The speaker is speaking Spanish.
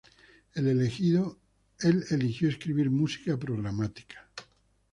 Él eligió escribir música programática.